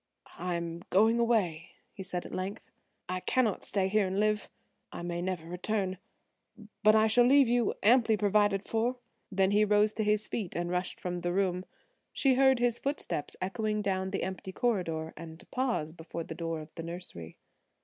"I am going away," he said at length: "I cannot stay here and live. I may never return, but I shall leave you amply provided for." Then he rose to his feet and rushed from the room. She heard his footsteps echoing down the empty corridor and pause before the door of the nursery.